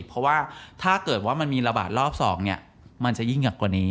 เพราะว่าถ้าเกิดว่ามันมีระบาดรอบ๒เนี่ยมันจะยิ่งหนักกว่านี้